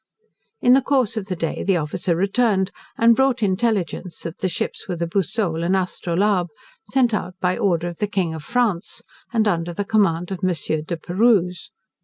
In the course of the day the officer returned, and brought intelligence that the ships were the Boussole and Astrolabe, sent out by order of the King of France, and under the command of Monsieur De Perrouse.